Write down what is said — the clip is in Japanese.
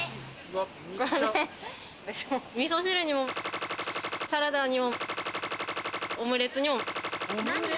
珍しいし、味噌汁にも、サラダにもオムレツにも。